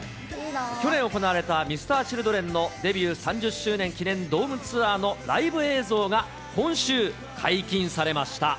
去年行われたＭｒ．Ｃｈｉｌｄｒｅｎのデビュー３０周年記念ドームツアーのライブ映像が、今週解禁されました。